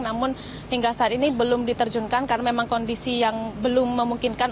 namun hingga saat ini belum diterjunkan karena memang kondisi yang belum memungkinkan